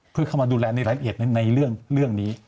เพื่อเข้ามาดูแลในรายละเอียดในเรื่องนี้